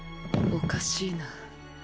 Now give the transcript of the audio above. おかしいな？